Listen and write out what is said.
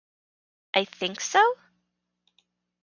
I think so?